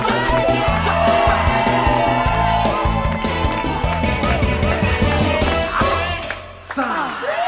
ไอซ่า